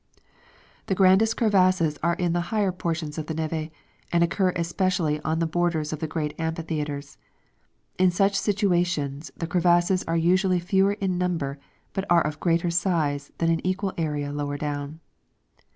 The grandest crevasses are in the higher portions of the neve, and occur especially on the borders of the great amphitheatres. In such situations the crevasses are usually fewer in number but are of greater size than in equal areas lower down.